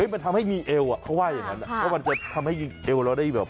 เห้ยมันทำให้มีเอวเขาว่ายังไงมันจะทำให้เอวเราได้แบบ